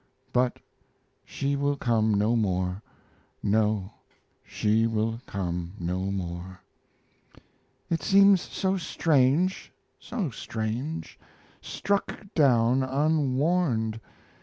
But she will come no more. No, she will come no more. It seems so strange... so strange... Struck down unwarned!